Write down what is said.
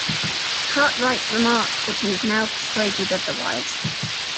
Cartwright remarked that he is now persuaded otherwise.